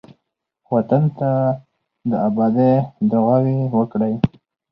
وطن ته د آبادۍ دعاوې وکړئ.